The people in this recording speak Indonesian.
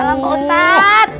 salam pak ustadz